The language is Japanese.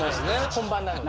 本番なので。